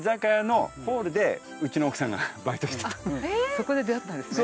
そこで出会ったんですね。